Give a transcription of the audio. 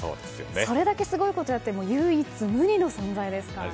それだけすごいことをやっている唯一無二の存在ですから。